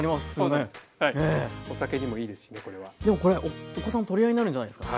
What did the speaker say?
でもこれお子さんも取り合いになるんじゃないですか。